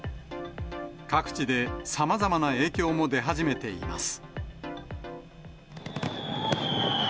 各地でさまざまな影響も出始めています。